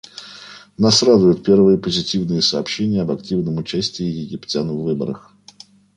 Нас радуют первые позитивные сообщения об активном участии египтян в выборах.